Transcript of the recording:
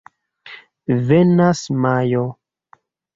Venas Majo.